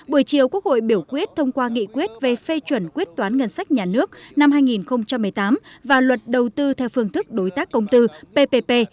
buổi chiều quốc hội biểu quyết thông qua nghị quyết về phê chuẩn quyết toán ngân sách nhà nước năm hai nghìn một mươi tám và luật đầu tư theo phương thức đối tác công tư ppp